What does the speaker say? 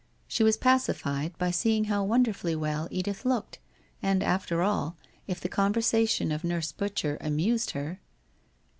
She was pacified, by seeing how wonderfully well Edith looked, and after all, if the conversation of Nurse Butcher amused her